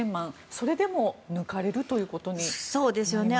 それでも抜かれるということになります。